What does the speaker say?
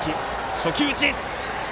初球打ち。